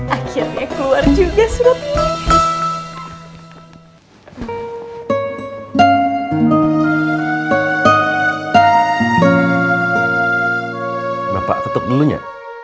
akhirnya keluar juga surutnya